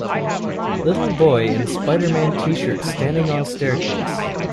Little boy in SpiderMan tshirt standing on staircase.